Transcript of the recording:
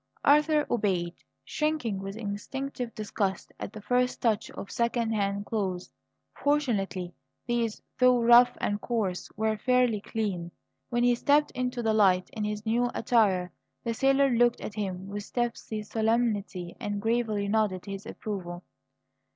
Arthur obeyed, shrinking with instinctive disgust at the first touch of second hand clothes. Fortunately these, though rough and coarse, were fairly clean. When he stepped into the light in his new attire, the sailor looked at him with tipsy solemnity and gravely nodded his approval.